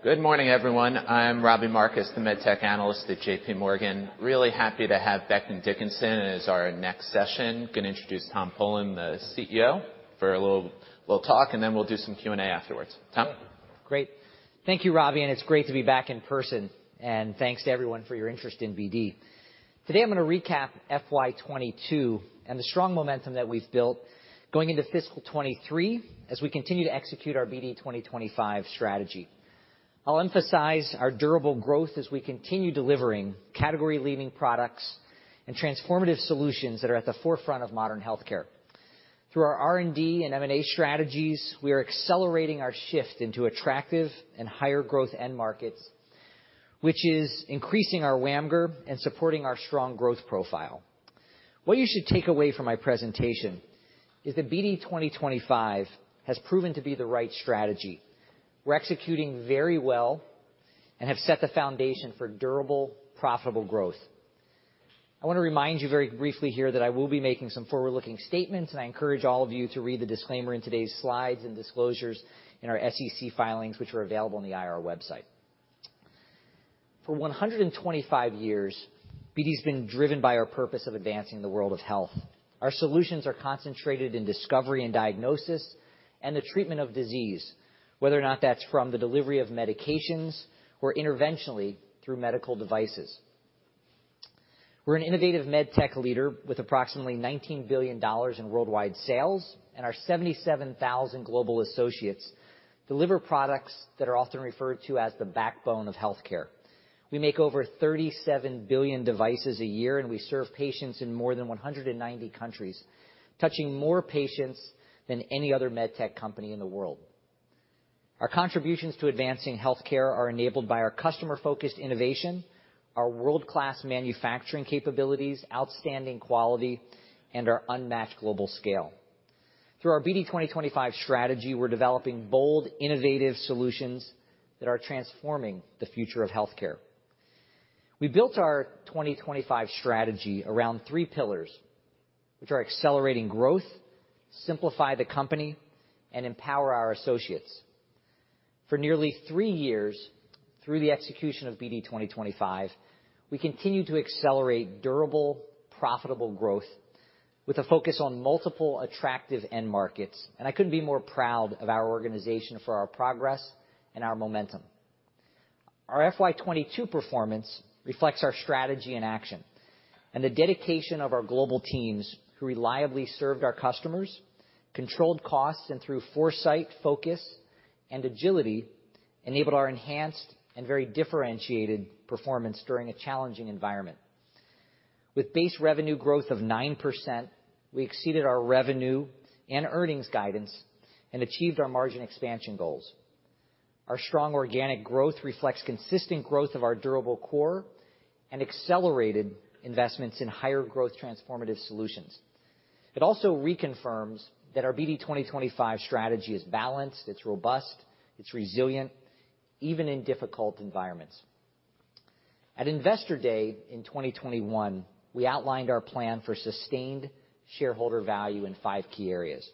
Good morning, everyone. I'm Robbie Marcus, the med tech analyst at JPMorgan. Really happy to have Becton Dickinson as our next session. Gonna introduce Tom Polen, the CEO, for a little talk, and then we'll do some Q&A afterwards. Tom? Great. Thank you, Robbie. It's great to be back in person. Thanks to everyone for your interest in BD. Today I'm gonna recap FY 2022 and the strong momentum that we've built going into fiscal 2023, as we continue to execute our BD 2025 strategy. I'll emphasize our durable growth as we continue delivering category-leading products and transformative solutions that are at the forefront of modern healthcare. Through our R&D and M&A strategies, we are accelerating our shift into attractive and higher growth end markets, which is increasing our WAMGR and supporting our strong growth profile. What you should take away from my presentation is that BD 2025 has proven to be the right strategy. We're executing very well and have set the foundation for durable, profitable growth. I wanna remind you very briefly here that I will be making some forward-looking statements. I encourage all of you to read the disclaimer in today's slides and disclosures in our SEC filings, which are available on the IR website. For 125 years, BD's been driven by our purpose of advancing the world of health. Our solutions are concentrated in discovery and diagnosis and the treatment of disease, whether or not that's from the delivery of medications or interventionally through medical devices. We're an innovative med tech leader with approximately $19 billion in worldwide sales. Our 77,000 global associates deliver products that are often referred to as the backbone of healthcare. We make over 37 billion devices a year. We serve patients in more than 190 countries, touching more patients than any other med tech company in the world. Our contributions to advancing healthcare are enabled by our customer-focused innovation, our world-class manufacturing capabilities, outstanding quality, and our unmatched global scale. Through our BD 2025 strategy, we're developing bold, innovative solutions that are transforming the future of healthcare. We built our 2025 strategy around three pillars, which are accelerating growth, simplify the company, and empower our associates. For nearly three years, through the execution of BD 2025, we continue to accelerate durable, profitable growth with a focus on multiple attractive end markets. I couldn't be more proud of our organization for our progress and our momentum. Our FY 2022 performance reflects our strategy and action and the dedication of our global teams who reliably served our customers, controlled costs, and through foresight, focus, and agility, enabled our enhanced and very differentiated performance during a challenging environment. With base revenue growth of 9%, we exceeded our revenue and earnings guidance and achieved our margin expansion goals. Our strong organic growth reflects consistent growth of our durable core and accelerated investments in higher growth transformative solutions. It also reconfirms that our BD 2025 strategy is balanced, it's robust, it's resilient, even in difficult environments. At Investor Day in 2021, we outlined our plan for sustained shareholder value in five key areas.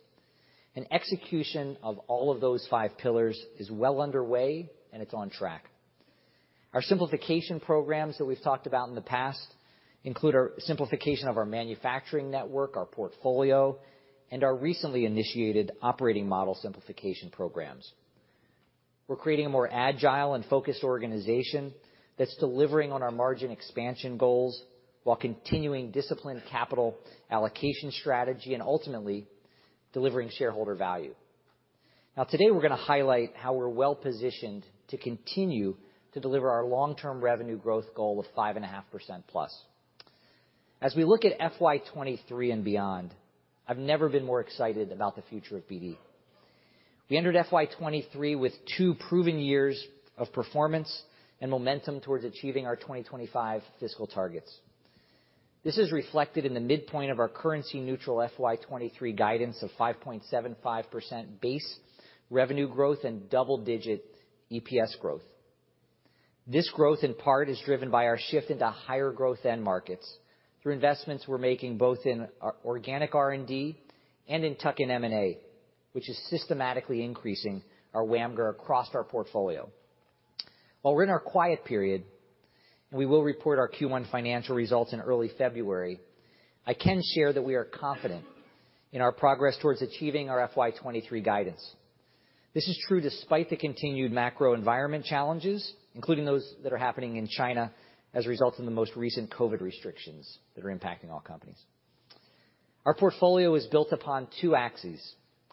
Execution of all of those five pillars is well underway, and it's on track. Our simplification programs that we've talked about in the past include our simplification of our manufacturing network, our portfolio, and our recently initiated operating model simplification programs. We're creating a more agile and focused organization that's delivering on our margin expansion goals while continuing disciplined capital allocation strategy and ultimately, delivering shareholder value. Today we're going to highlight how we're well-positioned to continue to deliver our long-term revenue growth goal of 5.5%+. As we look at FY 2023 and beyond, I've never been more excited about the future of BD. We entered FY 2023 with two proven years of performance and momentum towards achieving our 2025 fiscal targets. This is reflected in the midpoint of our currency-neutral FY 2023 guidance of 5.75% base revenue growth and double-digit EPS growth. This growth, in part, is driven by our shift into higher-growth end markets through investments we're making both in our organic R&D and in tuck-in M&A, which is systematically increasing our WAMGR across our portfolio. While we're in our quiet period, and we will report our Q1 financial results in early February, I can share that we are confident in our progress towards achieving our FY 2023 guidance. This is true despite the continued macro environment challenges, including those that are happening in China as a result of the most recent COVID restrictions that are impacting all companies. Our portfolio is built upon two axes,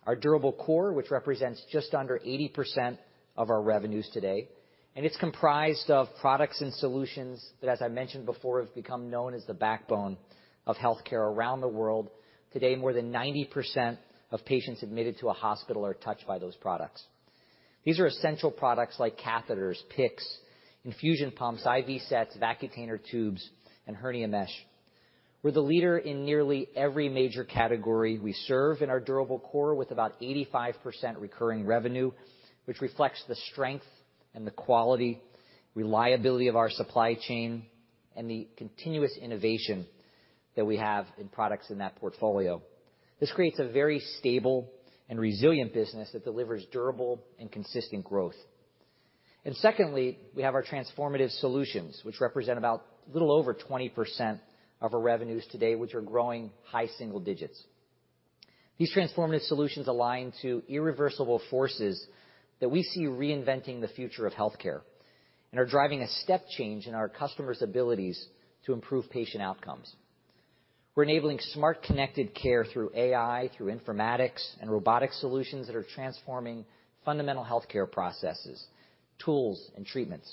our durable core, which represents just under 80% of our revenues today, and it's comprised of products and solutions that, as I mentioned before, have become known as the backbone of healthcare around the world. Today, more than 90% of patients admitted to a hospital are touched by those products. These are essential products like catheters, PICCs, infusion pumps, IV sets, Vacutainer tubes, and hernia mesh. We're the leader in nearly every major category we serve in our durable core with about 85% recurring revenue, which reflects the strength and the quality, reliability of our supply chain, and the continuous innovation that we have in products in that portfolio. This creates a very stable and resilient business that delivers durable and consistent growth. Secondly, we have our transformative solutions, which represent about a little over 20% of our revenues today, which are growing high single digits. These transformative solutions align to irreversible forces that we see reinventing the future of healthcare and are driving a step change in our customers' abilities to improve patient outcomes. We're enabling smart connected care through AI, through informatics and robotic solutions that are transforming fundamental healthcare processes, tools, and treatments.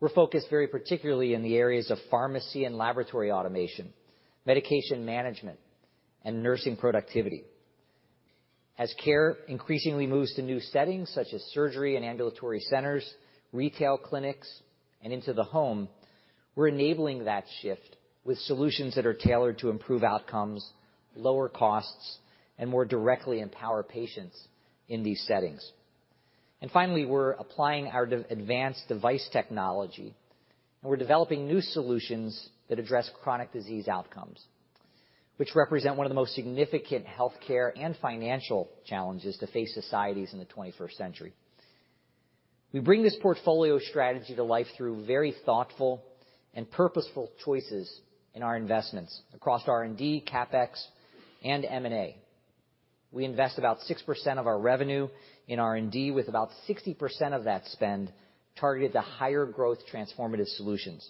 We're focused very particularly in the areas of pharmacy and laboratory automation, medication management, and nursing productivity. As care increasingly moves to new settings, such as surgery and ambulatory centers, retail clinics, and into the home, we're enabling that shift with solutions that are tailored to improve outcomes, lower costs, and more directly empower patients in these settings. Finally, we're applying our advanced device technology, and we're developing new solutions that address chronic disease outcomes, which represent one of the most significant healthcare and financial challenges to face societies in the 21st century. We bring this portfolio strategy to life through very thoughtful and purposeful choices in our investments across R&D, CapEx, and M&A. We invest about 6% of our revenue in R&D, with about 60% of that spend targeted to higher growth transformative solutions.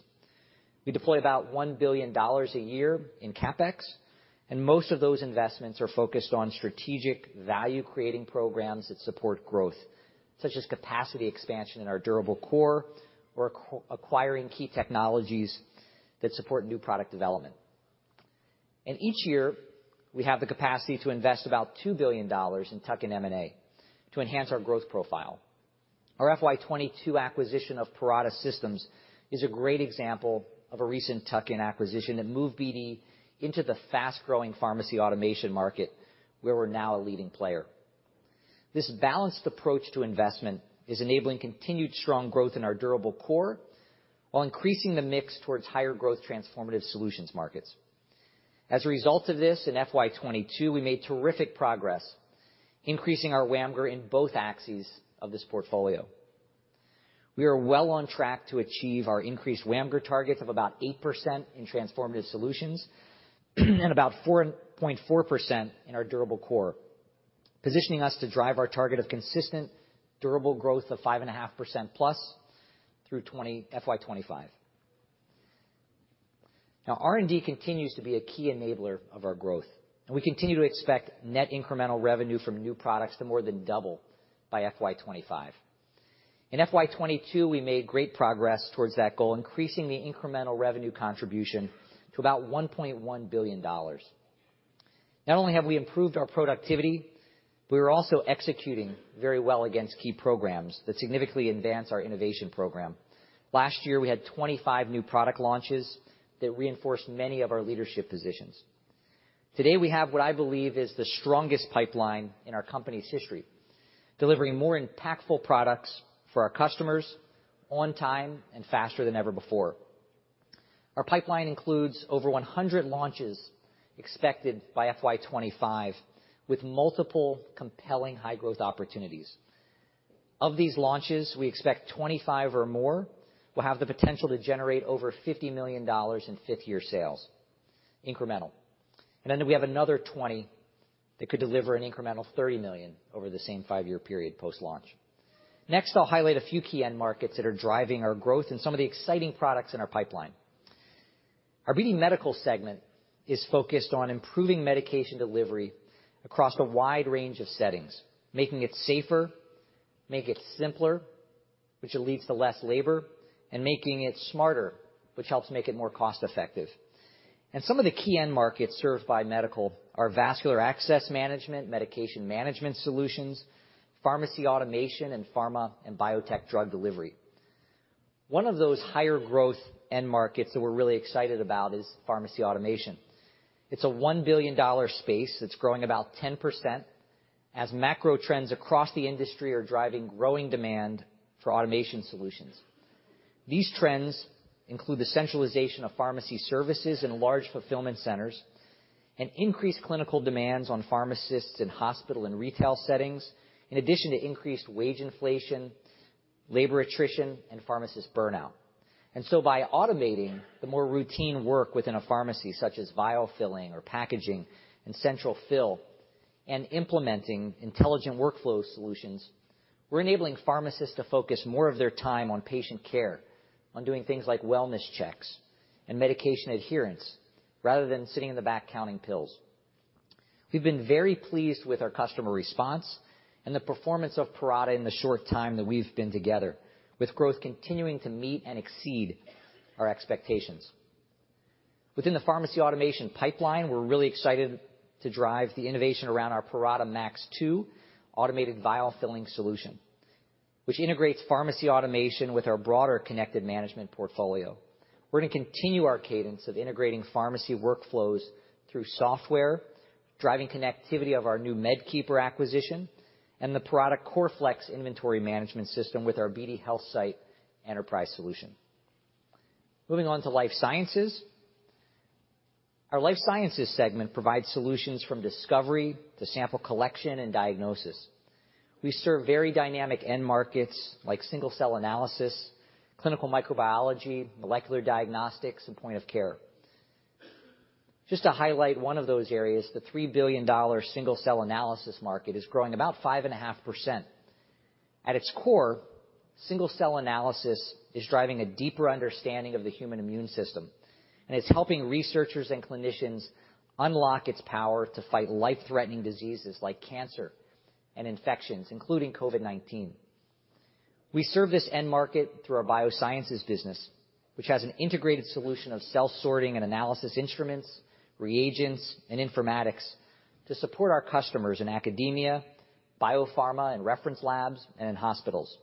We deploy about $1 billion a year in CapEx. Most of those investments are focused on strategic value-creating programs that support growth, such as capacity expansion in our durable core or acquiring key technologies that support new product development. Each year, we have the capacity to invest about $2 billion in tuck-in M&A to enhance our growth profile. Our FY 2022 acquisition of Parata Systems is a great example of a recent tuck-in acquisition that moved BD into the fast-growing pharmacy automation market, where we're now a leading player. This balanced approach to investment is enabling continued strong growth in our durable core while increasing the mix towards higher growth transformative solutions markets. As a result of this, in FY 2022, we made terrific progress increasing our WAMGR in both axes of this portfolio. We are well on track to achieve our increased WAMGR targets of about 8% in transformative solutions and about 4.4% in our durable core, positioning us to drive our target of consistent, durable growth of 5.5%+ through FY25. R&D continues to be a key enabler of our growth, and we continue to expect net incremental revenue from new products to more than double by FY 2025. In FY 2022, we made great progress towards that goal, increasing the incremental revenue contribution to about $1.1 billion. Not only have we improved our productivity, but we're also executing very well against key programs that significantly advance our innovation program. Last year, we had 25 new product launches that reinforced many of our leadership positions. Today, we have what I believe is the strongest pipeline in our company's history, delivering more impactful products for our customers on time and faster than ever before. Our pipeline includes over 100 launches expected by FY 2025 with multiple compelling high-growth opportunities. Of these launches, we expect 25 or more will have the potential to generate over $50 million in fifth-year sales incremental. We have another 20 that could deliver an incremental $30 million over the same five-year period post-launch. Next, I'll highlight a few key end markets that are driving our growth and some of the exciting products in our pipeline. Our BD Medical segment is focused on improving medication delivery across a wide range of settings, making it safer, make it simpler, which leads to less labor, and making it smarter, which helps make it more cost-effective. Some of the key end markets served by medical are vascular access management, medication management solutions, pharmacy automation, and pharma and biotech drug delivery. One of those higher growth end markets that we're really excited about is pharmacy automation. It's a $1 billion space that's growing about 10% as macro trends across the industry are driving growing demand for automation solutions. These trends include the centralization of pharmacy services in large fulfillment centers and increased clinical demands on pharmacists in hospital and retail settings, in addition to increased wage inflation, labor attrition, and pharmacist burnout. By automating the more routine work within a pharmacy, such as vial filling or packaging and central fill, and implementing intelligent workflow solutions, we're enabling pharmacists to focus more of their time on patient care, on doing things like wellness checks and medication adherence, rather than sitting in the back counting pills. We've been very pleased with our customer response and the performance of Parata in the short time that we've been together, with growth continuing to meet and exceed our expectations. Within the pharmacy automation pipeline, we're really excited to drive the innovation around our Parata Max 2 automated vial filling solution, which integrates pharmacy automation with our broader connected management portfolio. We're gonna continue our cadence of integrating pharmacy workflows through software, driving connectivity of our new MedKeeper acquisition and the Parata CoreFlex inventory management system with our BD HealthSight Enterprise solution. Moving on to life sciences. Our life sciences segment provides solutions from discovery to sample collection and diagnosis. We serve very dynamic end markets like single cell analysis, clinical microbiology, molecular diagnostics, and point of care. Just to highlight one of those areas, the $3 billion single cell analysis market is growing about 5.5%. At its core, single cell analysis is driving a deeper understanding of the human immune system, and it's helping researchers and clinicians unlock its power to fight life-threatening diseases like cancer and infections, including COVID-19. We serve this end market through our biosciences business, which has an integrated solution of cell sorting and analysis instruments, reagents, and informatics to support our customers in academia, biopharma and reference labs, and in hospitals.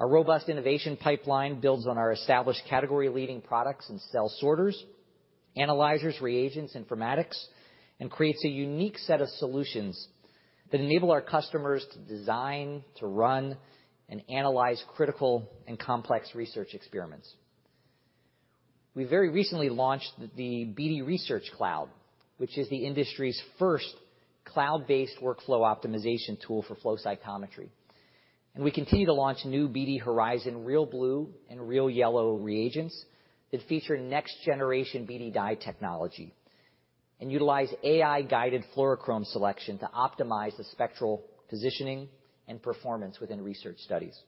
Our robust innovation pipeline builds on our established category-leading products in cell sorters, analyzers, reagents, informatics, and creates a unique set of solutions that enable our customers to design, to run, and analyze critical and complex research experiments. We very recently launched the BD Research Cloud, which is the industry's first cloud-based workflow optimization tool for flow cytometry. We continue to launch new BD Horizon RealBlue and RealYellow reagents that feature next generation BD dye technology, and utilize AI guided fluorochrome selection to optimize the spectral positioning and performance within research studies.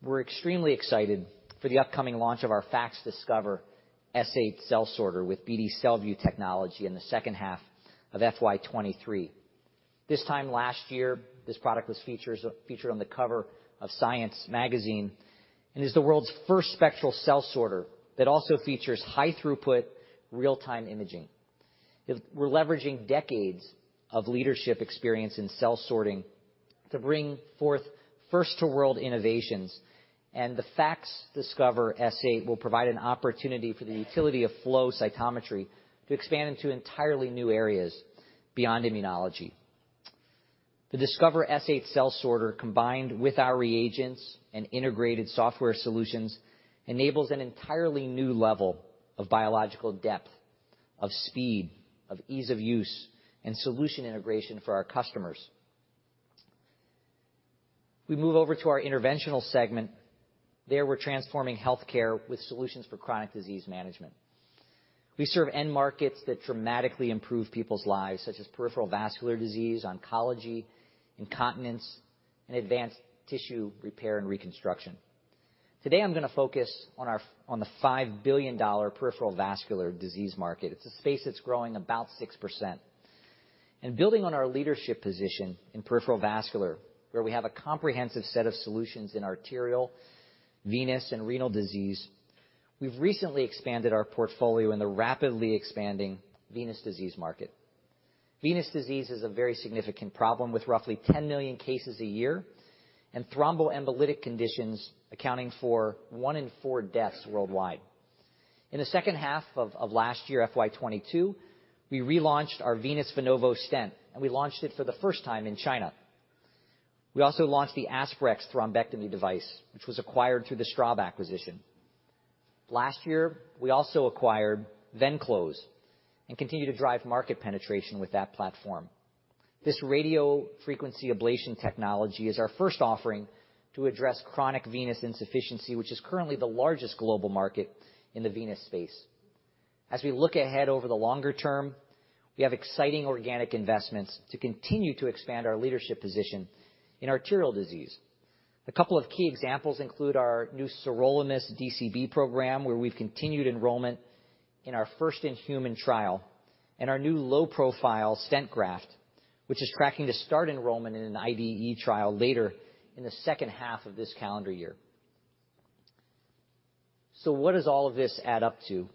We're extremely excited for the upcoming launch of our FACSDiscover S8 cell sorter with BD CellView technology in the second half of FY 2023. This time last year, this product was featured on the cover of Science Magazine, and is the world's first spectral cell sorter that also features high throughput real-time imaging. We're leveraging decades of leadership experience in cell sorting to bring forth first to world innovations. The FACSDiscover S8 will provide an opportunity for the utility of flow cytometry to expand into entirely new areas beyond immunology. The Discover S8 cell sorter, combined with our reagents and integrated software solutions, enables an entirely new level of biological depth, of speed, of ease of use, and solution integration for our customers. We move over to our Interventional segment. There, we're transforming healthcare with solutions for chronic disease management. We serve end markets that dramatically improve people's lives, such as peripheral vascular disease, oncology, incontinence, and advanced tissue repair and reconstruction. Today, I'm gonna focus on the $5 billion peripheral vascular disease market. It's a space that's growing about 6%. Building on our leadership position in peripheral vascular, where we have a comprehensive set of solutions in arterial, venous, and renal disease, we've recently expanded our portfolio in the rapidly expanding venous disease market. Venous disease is a very significant problem, with roughly 10 million cases a year, and thromboembolic conditions accounting for one in four deaths worldwide. In the second half of last year, FY 2022, we relaunched our Venous Venovo stent, and we launched it for the first time in China. We also launched the Aspirex thrombectomy device, which was acquired through the Straub acquisition. Last year, we also acquired Venclose and continue to drive market penetration with that platform. This radiofrequency ablation technology is our first offering to address chronic venous insufficiency, which is currently the largest global market in the venous space. As we look ahead over the longer term, we have exciting organic investments to continue to expand our leadership position in arterial disease. A couple of key examples include our new sirolimus DCB program, where we've continued enrollment in our first in-human trial, and our new low-profile stent graft, which is tracking to start enrollment in an IDE trial later in the second half of this calendar year. What does all of this add up to?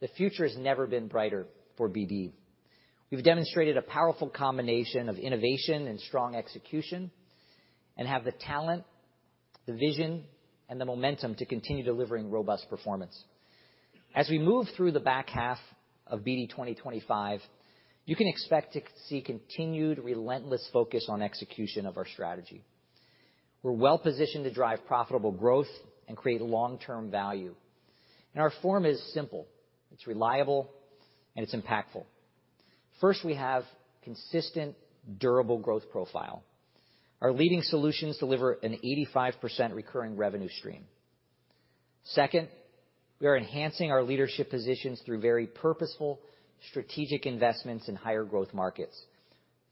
The future has never been brighter for BD. We've demonstrated a powerful combination of innovation and strong execution and have the talent, the vision, and the momentum to continue delivering robust performance. As we move through the back half of BD 2025, you can expect to see continued relentless focus on execution of our strategy. We're well-positioned to drive profitable growth and create long-term value. Our form is simple, it's reliable, and it's impactful. First, we have consistent, durable growth profile. Our leading solutions deliver an 85% recurring revenue stream. Second, we are enhancing our leadership positions through very purposeful strategic investments in higher growth markets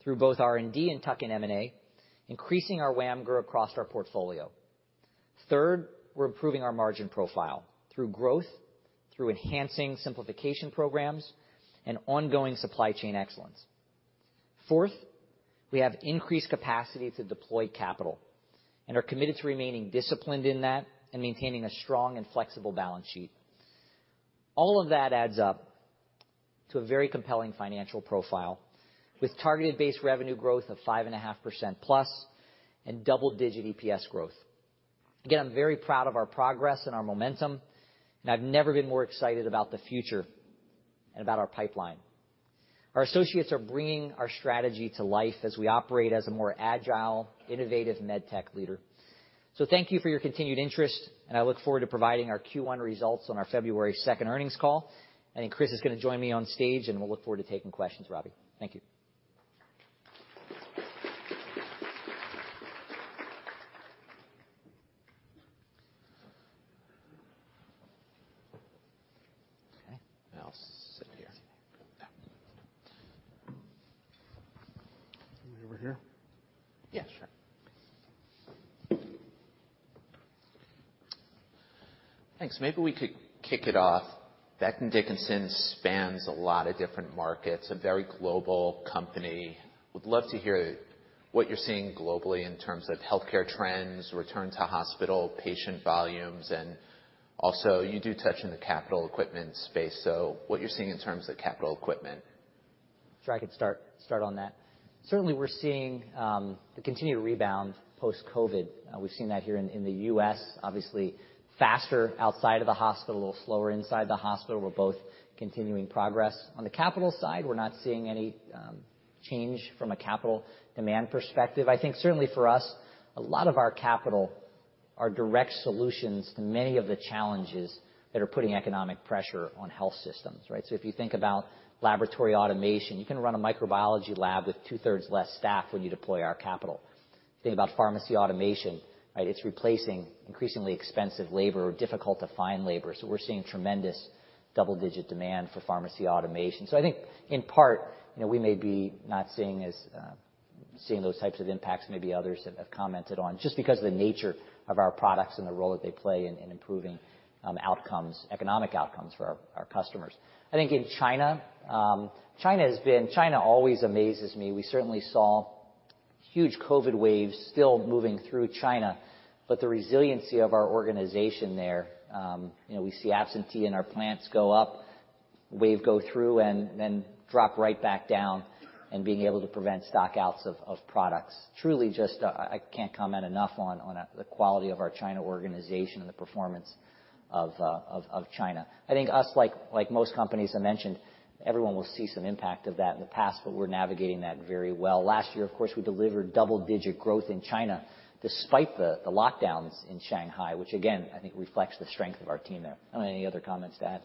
through both R&D and tuck-in M&A, increasing our WAMGR across our portfolio. Third, we're improving our margin profile through growth, through enhancing simplification programs, and ongoing supply chain excellence. Fourth, we have increased capacity to deploy capital and are committed to remaining disciplined in that and maintaining a strong and flexible balance sheet. All of that adds up to a very compelling financial profile with targeted base revenue growth of 5.5%+ and double-digit EPS growth. Again, I'm very proud of our progress and our momentum, and I've never been more excited about the future and about our pipeline. Our associates are bringing our strategy to life as we operate as a more agile, innovative med tech leader. Thank you for your continued interest, and I look forward to providing our Q1 results on our February second earnings call. I think Chris is going to join me on stage, and we'll look forward to taking questions, Robbie. Thank you. Okay, I'll sit here. Yeah. Over here. Yeah, sure. Thanks. Maybe we could kick it off. Becton Dickinson spans a lot of different markets, a very global company. Would love to hear what you're seeing globally in terms of healthcare trends, return to hospital, patient volumes, and also you do touch in the capital equipment space, so what you're seeing in terms of capital equipment. Sure, I could start on that. Certainly, we're seeing the continued rebound post-COVID. We've seen that here in the U.S., obviously faster outside of the hospital, slower inside the hospital. We're both continuing progress. On the capital side, we're not seeing any change from a capital demand perspective. I think certainly for us, a lot of our capital are direct solutions to many of the challenges that are putting economic pressure on health systems, right? If you think about laboratory automation, you can run a microbiology lab with two-thirds less staff when you deploy our capital. Think about pharmacy automation, right? It's replacing increasingly expensive labor or difficult-to-find labor. We're seeing tremendous double-digit demand for pharmacy automation. I think in part, you know, we may be not seeing as seeing those types of impacts maybe others have commented on, just because of the nature of our products and the role that they play in improving outcomes, economic outcomes for our customers. I think in China always amazes me. We certainly saw huge COVID waves still moving through China, but the resiliency of our organization there, you know, we see absentee in our plants go up, wave go through and then drop right back down and being able to prevent stock-outs of products. Truly just, I can't comment enough on the quality of our China organization and the performance of China. I think us, like most companies I mentioned, everyone will see some impact of that in the past, but we're navigating that very well. Last year, of course, we delivered double-digit growth in China despite the lockdowns in Shanghai, which again, I think reflects the strength of our team there. I don't know, any other comments to add?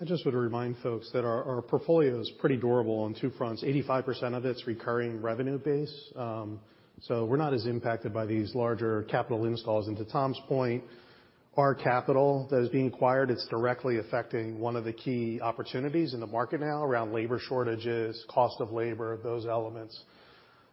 I just would remind folks that our portfolio is pretty durable on two fronts. 85% of it's recurring revenue base, we're not as impacted by these larger capital installs. To Tom's point, our capital that is being acquired, it's directly affecting one of the key opportunities in the market now around labor shortages, cost of labor, those elements.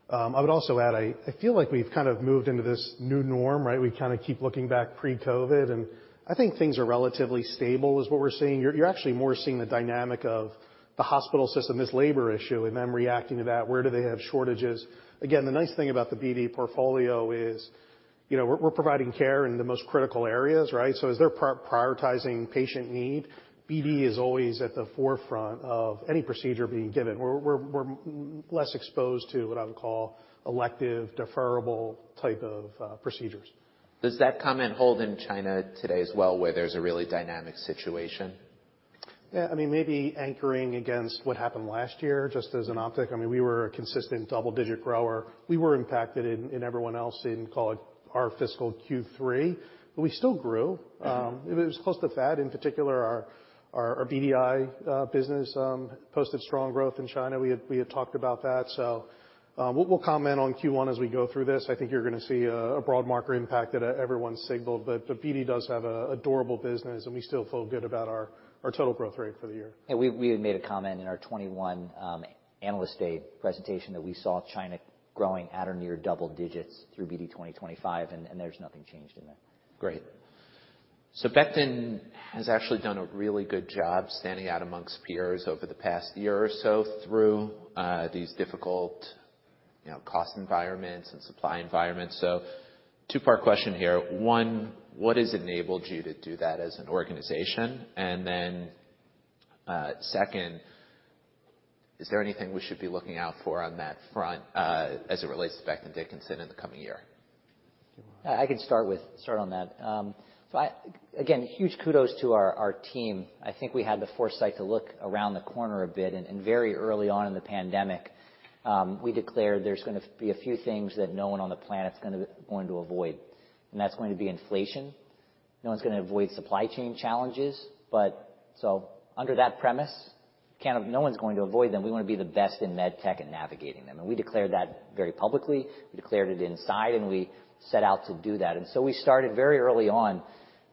I would also add, I feel like we've kind of moved into this new norm, right? We kind of keep looking back pre-COVID, I think things are relatively stable is what we're seeing. You're actually more seeing the dynamic of the hospital system, this labor issue, and them reacting to that. Where do they have shortages? Again, the nice thing about the BD portfolio is, you know, we're providing care in the most critical areas, right? As they're prioritizing patient need, BD is always at the forefront of any procedure being given. We're less exposed to what I would call elective, deferrable type of procedures. Does that comment hold in China today as well, where there's a really dynamic situation? Yeah. I mean, maybe anchoring against what happened last year, just as an optic, I mean, we were a consistent double-digit grower. We were impacted in everyone else in, call it, our fiscal Q3, but we still grew. It was close to FDA. In particular, our BDI business posted strong growth in China. We had talked about that. We'll comment on Q1 as we go through this. I think you're gonna see a broad market impact that everyone signaled. BD does have a durable business, and we still feel good about our total growth rate for the year. We had made a comment in our 21 Analyst Day presentation that we saw China growing at or near double digits through BD 2025, and there's nothing changed in that. Great. Becton has actually done a really good job standing out amongst peers over the past year or so through these difficult, you know, cost environments and supply environments. Two-part question here. One, what has enabled you to do that as an organization? Second, is there anything we should be looking out for on that front, as it relates to Becton Dickinson in the coming year? I can start on that. Again, huge kudos to our team. I think we had the foresight to look around the corner a bit, and very early on in the pandemic, we declared there's gonna be a few things that no one on the planet's going to avoid. That's going to be inflation. No one's gonna avoid supply chain challenges. Under that premise, no one's going to avoid them. We want to be the best in med tech at navigating them. We declared that very publicly. We declared it inside, and we set out to do that. We started very early on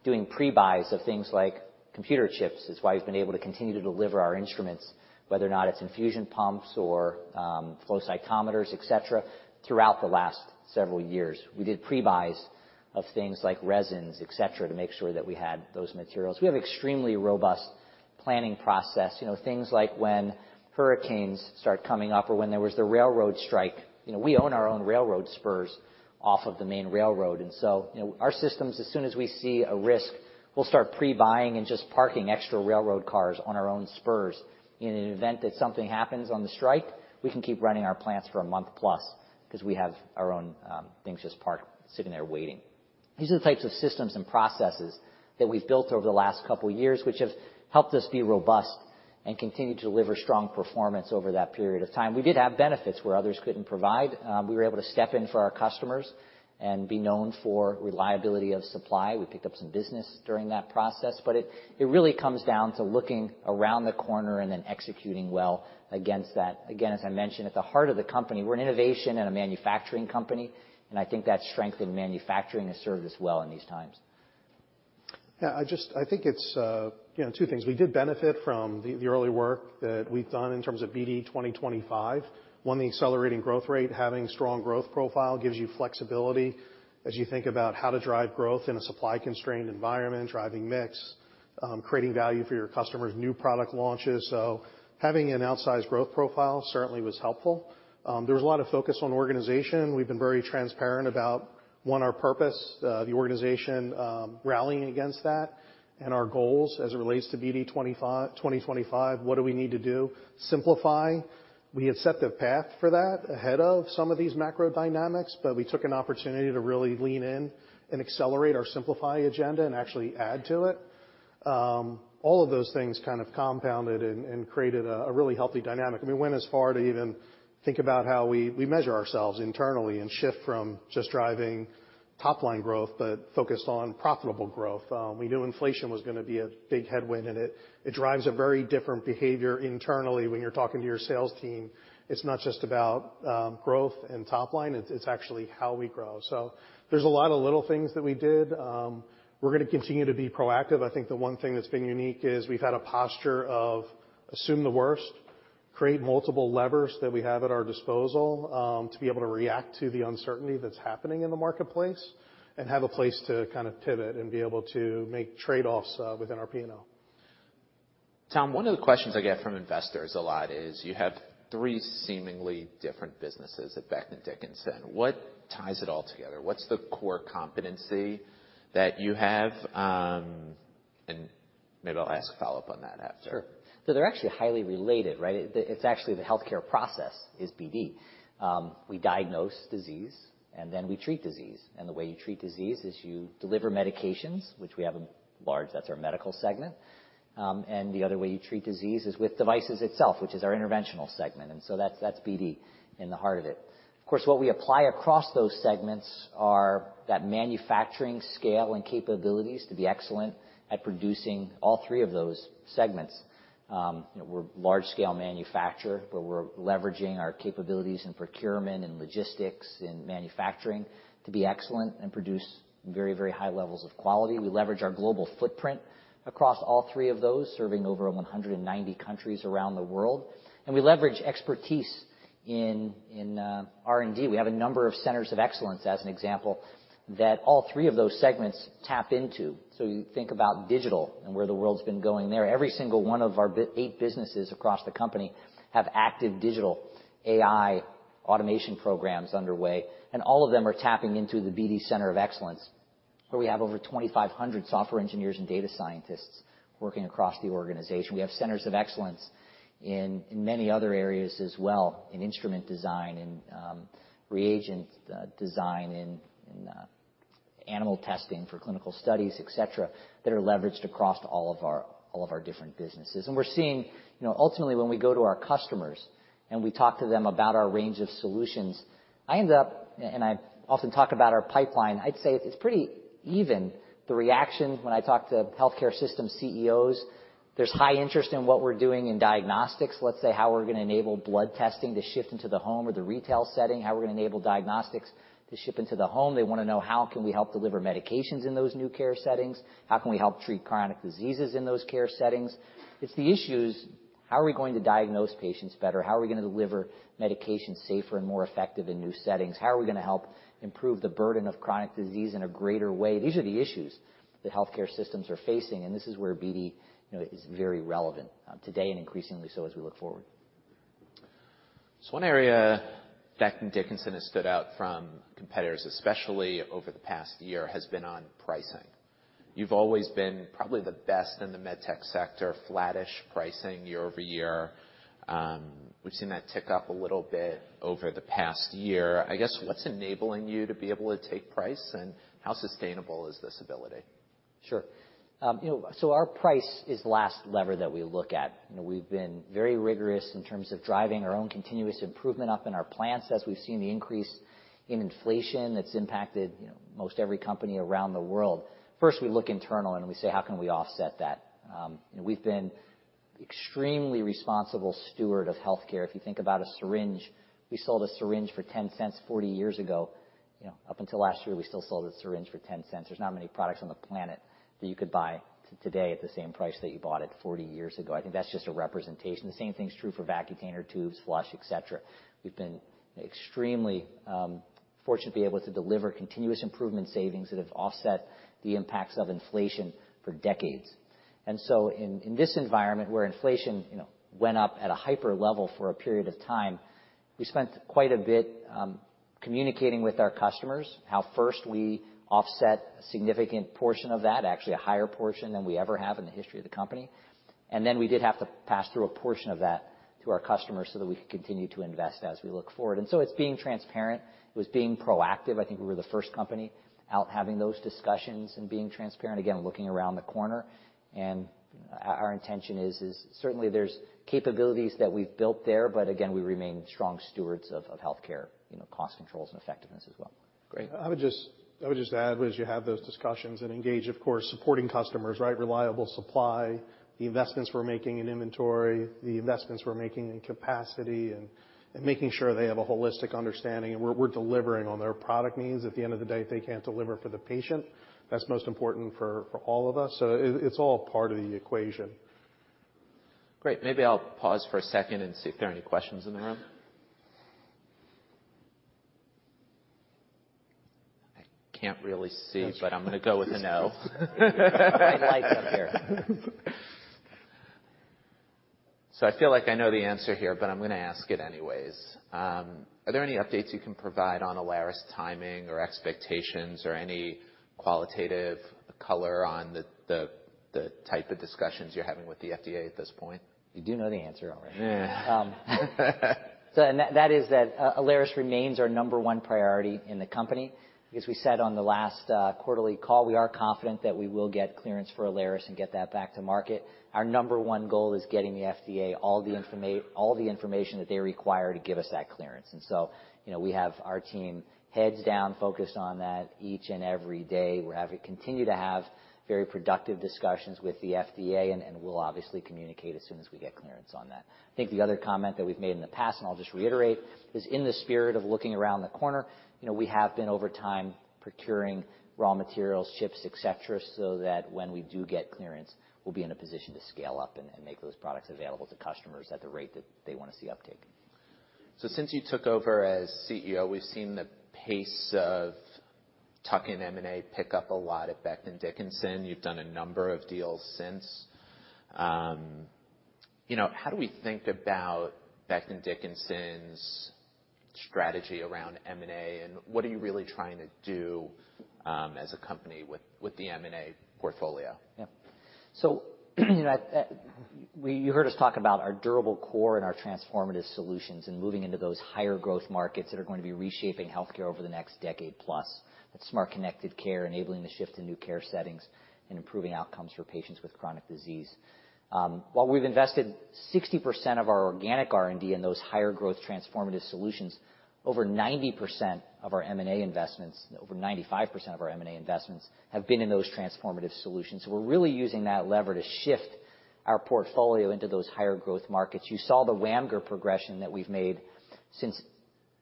doing pre-buys of things like computer chips. It's why we've been able to continue to deliver our instruments, whether or not it's infusion pumps or flow cytometers, et cetera, throughout the last several years. We did pre-buys of things like resins, et cetera, to make sure that we had those materials. We have extremely robust planning process. You know, things like when hurricanes start coming up or when there was the railroad strike. You know, we own our own railroad spurs off of the main railroad. You know, our systems, as soon as we see a risk, we'll start pre-buying and just parking extra railroad cars on our own spurs. In an event that something happens on the strike, we can keep running our plants for a month plus because we have our own things just parked, sitting there waiting. These are the types of systems and processes that we've built over the last couple years, which have helped us be robust and continue to deliver strong performance over that period of time. We did have benefits where others couldn't provide. We were able to step in for our customers and be known for reliability of supply. We picked up some business during that process, but it really comes down to looking around the corner and then executing well against that. Again, as I mentioned, at the heart of the company, we're an innovation and a manufacturing company, and I think that strength in manufacturing has served us well in these times. Yeah, I just, I think it's, you know, two things. We did benefit from the early work that we've done in terms of BD 2025. One, the accelerating growth rate, having strong growth profile gives you flexibility as you think about how to drive growth in a supply-constrained environment, driving mix, creating value for your customers, new product launches. Having an outsized growth profile certainly was helpful. There was a lot of focus on organization. We've been very transparent about, one, our purpose, the organization, rallying against that and our goals as it relates to BD 2025, what do we need to do? Simplify. We had set the path for that ahead of some of these macro dynamics, but we took an opportunity to really lean in and accelerate our simplify agenda and actually add to it. All of those things kind of compounded and created a really healthy dynamic. We went as far to even think about how we measure ourselves internally and shift from just driving top line growth, but focused on profitable growth. We knew inflation was gonna be a big headwind. It drives a very different behavior internally when you're talking to your sales team. It's not just about growth and top line. It's actually how we grow. There's a lot of little things that we did. We're gonna continue to be proactive. I think the one thing that's been unique is we've had a posture of assume the worst, create multiple levers that we have at our disposal, to be able to react to the uncertainty that's happening in the marketplace and have a place to kind of pivot and be able to make trade-offs, within our P&L. Tom, one of the questions I get from investors a lot is you have three seemingly different businesses at Becton Dickinson. What ties it all together? What's the core competency that you have? maybe I'll ask a follow-up on that after. Sure. They're actually highly related, right? It's actually the healthcare process is BD. We diagnose disease, we treat disease. The way you treat disease is you deliver medications, which we have, that's our medical segment. The other way you treat disease is with devices itself, which is our interventional segment. That's BD in the heart of it. Of course, what we apply across those segments are that manufacturing scale and capabilities to be excellent at producing all three of those segments. You know, we're a large scale manufacturer, but we're leveraging our capabilities in procurement and logistics and manufacturing to be excellent and produce very, very high levels of quality. We leverage our global footprint across all three of those, serving over 190 countries around the world. We leverage expertise in R&D. We have a number of centers of excellence, as an example, that all three of those segments tap into. You think about digital and where the world's been going there. Every single one of our eight businesses across the company have active digital AI automation programs underway, and all of them are tapping into the BD Center of Excellence, where we have over 2,500 software engineers and data scientists working across the organization. We have centers of excellence in many other areas as well, in instrument design, in reagent design, in animal testing for clinical studies, et cetera, that are leveraged across all of our different businesses. We're seeing, you know, ultimately, when we go to our customers, we talk to them about our range of solutions. I often talk about our pipeline. I'd say it's pretty even. The reaction when I talk to healthcare system CEOs, there's high interest in what we're doing in diagnostics, let's say, how we're gonna enable blood testing to shift into the home or the retail setting, how we're gonna enable diagnostics to ship into the home. They wanna know how can we help deliver medications in those new care settings? How can we help treat chronic diseases in those care settings? It's the issues, how are we going to diagnose patients better? How are we gonna deliver medications safer and more effective in new settings? How are we gonna help improve the burden of chronic disease in a greater way? These are the issues that healthcare systems are facing. This is where BD, you know, is very relevant, today and increasingly so as we look forward. One area Becton Dickinson has stood out from competitors, especially over the past year, has been on pricing. You've always been probably the best in the med tech sector, flattish pricing year-over-year. We've seen that tick up a little bit over the past year. I guess, what's enabling you to be able to take price, and how sustainable is this ability? Sure. You know, our price is the last lever that we look at. You know, we've been very rigorous in terms of driving our own continuous improvement up in our plants as we've seen the increase in inflation that's impacted, you know, most every company around the world. First, we look internal, and we say, "How can we offset that?" You know, we've been extremely responsible steward of healthcare. If you think about a syringe, we sold a syringe for $0.10 40 years ago. You know, up until last year, we still sold a syringe for $0.10. There's not many products on the planet that you could buy today at the same price that you bought it 40 years ago. I think that's just a representation. The same thing's true for BD Vacutainer tubes, flush, et cetera. We've been extremely fortunate to be able to deliver continuous improvement savings that have offset the impacts of inflation for decades. In this environment where inflation, you know, went up at a hyper level for a period of time, we spent quite a bit communicating with our customers how first we offset a significant portion of that, actually a higher portion than we ever have in the history of the company. Then we did have to pass through a portion of that to our customers so that we could continue to invest as we look forward. It's being transparent. It was being proactive. I think we were the first company out having those discussions and being transparent, again, looking around the corner. Our intention is certainly there's capabilities that we've built there, but again, we remain strong stewards of healthcare, you know, cost controls and effectiveness as well. Great. I would just add, as you have those discussions engage, of course, supporting customers, right? Reliable supply, the investments we're making in inventory, the investments we're making in capacity, and making sure they have a holistic understanding, and we're delivering on their product needs. At the end of the day, if they can't deliver for the patient, that's most important for all of us. It's all part of the equation. Great. Maybe I'll pause for a second and see if there are any questions in the room. I can't really see, but I'm gonna go with a no. The light's up here. I feel like I know the answer here, but I'm gonna ask it anyways. Are there any updates you can provide on Alaris timing or expectations or any qualitative color on the type of discussions you're having with the FDA at this point? You do know the answer already. Yeah. That, that is that, Alaris remains our number one priority in the company. As we said on the last quarterly call, we are confident that we will get clearance for Alaris and get that back to market. Our number one goal is getting the FDA all the information that they require to give us that clearance. You know, we have our team heads down focused on that each and every day. We continue to have very productive discussions with the FDA, and we'll obviously communicate as soon as we get clearance on that. I think the other comment that we've made in the past, and I'll just reiterate, is in the spirit of looking around the corner, you know, we have been, over time, procuring raw materials, chips, et cetera, so that when we do get clearance, we'll be in a position to scale up and make those products available to customers at the rate that they wanna see uptake. Since you took over as CEO, we've seen the pace of tuck-in M&A pick up a lot at Becton Dickinson. You've done a number of deals since. You know, how do we think about Becton Dickinson's strategy around M&A, and what are you really trying to do, as a company with the M&A portfolio? Yeah. you know, you heard us talk about our durable core and our transformative solutions and moving into those higher growth markets that are gonna be reshaping healthcare over the next decade plus. That's smart connected care, enabling the shift to new care settings and improving outcomes for patients with chronic disease. While we've invested 60% of our organic R&D in those higher growth transformative solutions, over 90% of our M&A investments, over 95% of our M&A investments have been in those transformative solutions. We're really using that lever to shift our portfolio into those higher growth markets. You saw the WAMGR progression that we've made since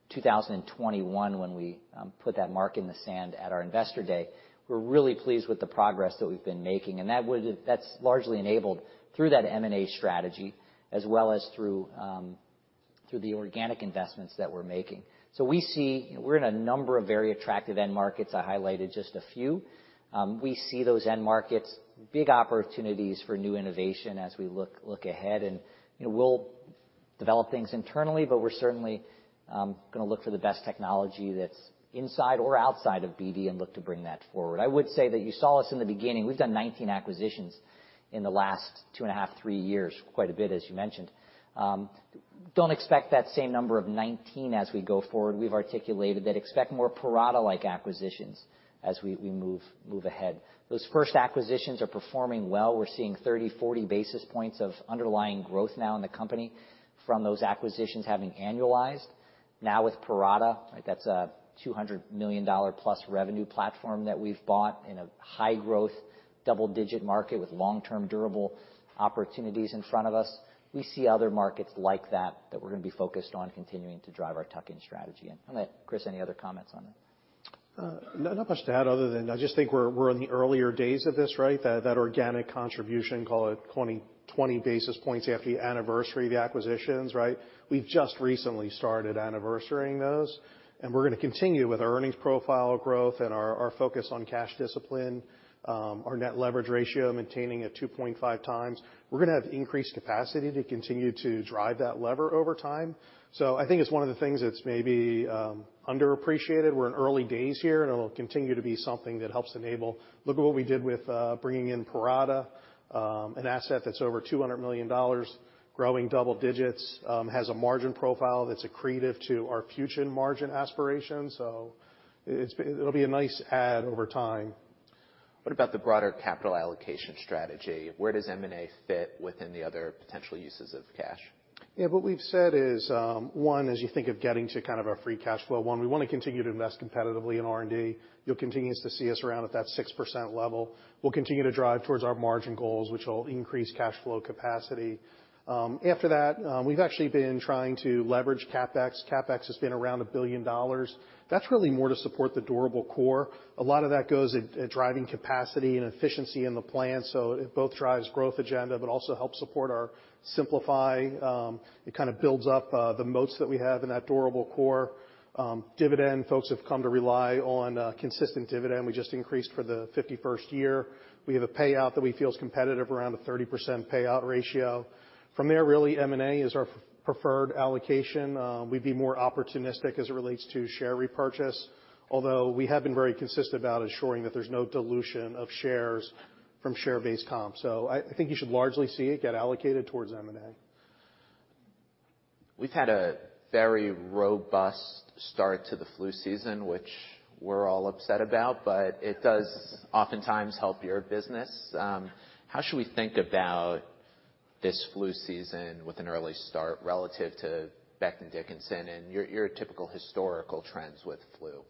2021 when we put that mark in the sand at our investor day. We're really pleased with the progress that we've been making, that's largely enabled through that M&A strategy as well as through the organic investments that we're making. We're in a number of very attractive end markets. I highlighted just a few. We see those end markets, big opportunities for new innovation as we look ahead. You know, we'll develop things internally, but we're certainly gonna look for the best technology that's inside or outside of BD and look to bring that forward. I would say that you saw us in the beginning. We've done 19 acquisitions in the last and 2.5, three years, quite a bit, as you mentioned. Don't expect that same number of 19 as we go forward. We've articulated that expect more Parata-like acquisitions as we move ahead. Those first acquisitions are performing well. We're seeing 30, 40 basis points of underlying growth now in the company from those acquisitions having annualized. With Parata, right, that's a $200 million-plus revenue platform that we've bought in a high-growth, double-digit market with long-term durable opportunities in front of us. We see other markets like that we're gonna be focused on continuing to drive our tuck-in strategy. Chris, any other comments on that? Not much to add other than I just think we're in the earlier days of this, right? That organic contribution, call it 20 basis points after the anniversary of the acquisitions, right? We've just recently started anniversarying those. We're gonna continue with our earnings profile growth and our focus on cash discipline, our net leverage ratio maintaining at 2.5x. We're gonna have increased capacity to continue to drive that lever over time. I think it's one of the things that's maybe underappreciated. We're in early days here, and it'll continue to be something that helps enable. Look at what we did with bringing in Parata, an asset that's over $200 million, growing double digits, has a margin profile that's accretive to our future margin aspirations. It'll be a nice add over time. What about the broader capital allocation strategy? Where does M&A fit within the other potential uses of cash? Yeah, what we've said is, one, as you think of getting to kind of our free cash flow, one, we wanna continue to invest competitively in R&D. You'll continue to see us around at that 6% level. We'll continue to drive towards our margin goals, which will increase cash flow capacity. After that, we've actually been trying to leverage CapEx. CapEx has been around $1 billion. That's really more to support the durable core. A lot of that goes at driving capacity and efficiency in the plan. It both drives growth agenda, but also helps support our simplify. It kind of builds up the moats that we have in that durable core. Dividend, folks have come to rely on a consistent dividend. We just increased for the 51st year. We have a payout that we feel is competitive around a 30% payout ratio. Really, M&A is our preferred allocation. We'd be more opportunistic as it relates to share repurchase, although we have been very consistent about ensuring that there's no dilution of shares from share-based comp. I think you should largely see it get allocated towards M&A. We've had a very robust start to the flu season, which we're all upset about, but it does oftentimes help your business. How should we think about this flu season with an early start relative to Becton Dickinson and your typical historical trends with flu?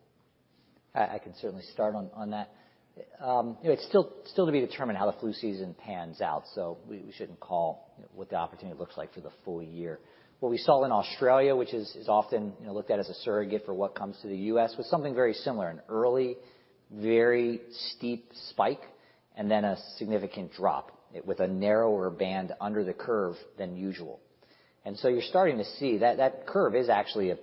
I can certainly start on that. You know, it's still to be determined how the flu season pans out, so we shouldn't call, you know, what the opportunity looks like for the full year. What we saw in Australia, which is often, you know, looked at as a surrogate for what comes to the U.S., was something very similar. An early, very steep spike and then a significant drop with a narrower band under the curve than usual. You're starting to see that curve is actually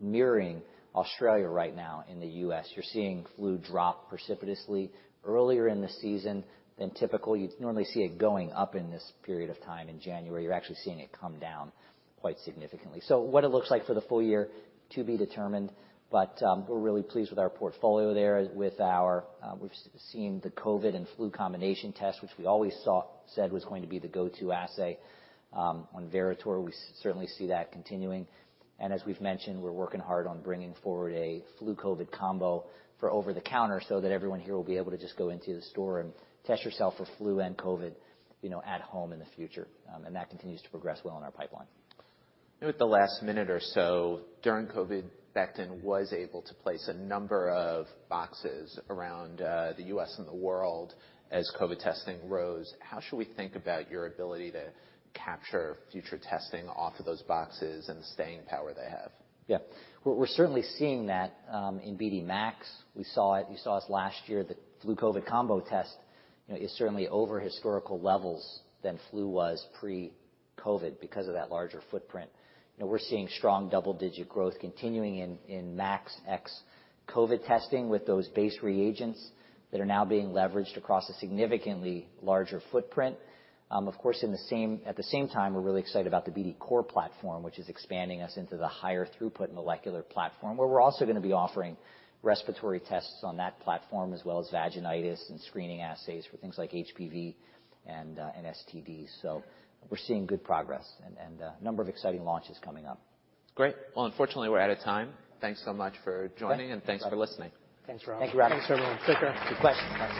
mirroring Australia right now in the U.S. You're seeing flu drop precipitously earlier in the season than typical. You'd normally see it going up in this period of time in January. You're actually seeing it come down quite significantly. What it looks like for the full year, to be determined, but we're really pleased with our portfolio there, with our, we've seen the COVID and flu combination test, which we always said was going to be the go-to assay on Veritor. We certainly see that continuing. As we've mentioned, we're working hard on bringing forward a flu COVID combo for over the counter so that everyone here will be able to just go into the store and test yourself for flu and COVID, you know, at home in the future. That continues to progress well in our pipeline. With the last minute or so during COVID, Becton was able to place a number of boxes around, the U.S. and the world as COVID testing rose. How should we think about your ability to capture future testing off of those boxes and the staying power they have? We're certainly seeing that in BD MAX. You saw us last year. The Flu COVID combo test, you know, is certainly over historical levels than Flu was pre-COVID because of that larger footprint. You know, we're seeing strong double-digit growth continuing in MAX x COVID testing with those base reagents that are now being leveraged across a significantly larger footprint. Of course, at the same time, we're really excited about the BD COR platform, which is expanding us into the higher throughput molecular platform, where we're also gonna be offering respiratory tests on that platform as well as vaginitis and screening assays for things like HPV and STDs. We're seeing good progress and a number of exciting launches coming up. Great. Well, unfortunately, we're out of time. Thanks so much for joining, and thanks for listening. Thanks, Rob. Thank you. Thanks, everyone. Take care. Good questions. Bye.